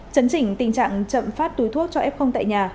chấn chỉnh tình trạng chậm phát túi thuốc cho ép không tại nhà